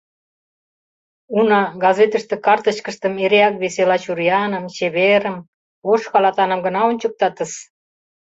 Уна, газетыште картычкыштым эреак весела чурияным, чеверым, ош халатаным гына ончыктатыс.